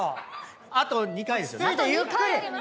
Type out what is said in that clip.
あと２回ですよね？